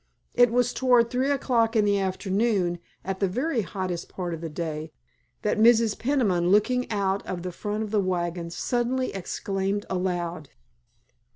It was toward three o'clock in the afternoon, at the very hottest part of the day, that Mrs. Peniman looking out of the front of the wagon suddenly exclaimed aloud.